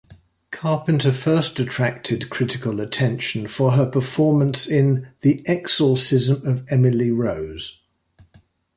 Carpenter first attracted critical attention for her performance in "The Exorcism of Emily Rose".